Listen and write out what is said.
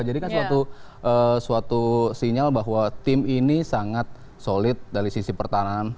kan suatu sinyal bahwa tim ini sangat solid dari sisi pertahanan